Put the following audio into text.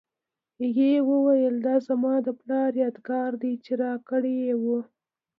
هغې وویل دا زما د پلار یادګار دی چې راکړی یې و